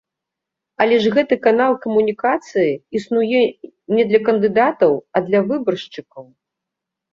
Але ж гэты канал камунікацыі існуе не для кандыдатаў, а для выбаршчыкаў.